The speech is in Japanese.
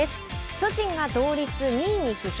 巨人が同率２位に浮上。